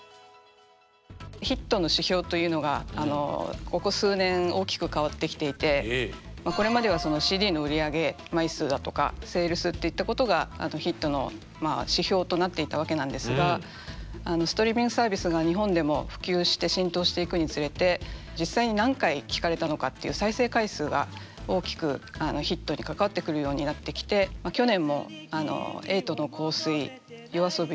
ヒットの指標というのがここ数年大きく変わってきていてこれまではＣＤの売り上げ枚数だとかセールスっていったことがヒットの指標となっていたわけなんですがストリーミングサービスが日本でも普及して浸透していくにつれて実際に何回聴かれたのかっていう再生回数が大きくヒットに関わってくるようになってきて去年も瑛人の「香水」ＹＯＡＳＯＢＩ